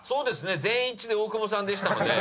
全員一致で大久保さんでしたので。